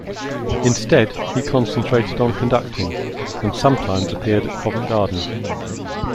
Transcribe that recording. Instead he concentrated on conducting, and sometimes appeared at Covent Garden.